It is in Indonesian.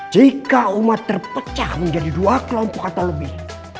jika umat terpecah menjadi dua kelompok atau lebih